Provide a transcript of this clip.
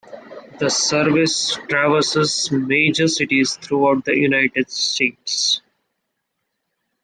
The service traverses major cities throughout the United States.